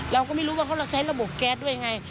เราก็ไม่รู้ว่าเขาเราใช้ระบบแก๊สด้วยยังไง